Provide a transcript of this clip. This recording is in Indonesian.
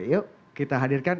yuk kita hadirkan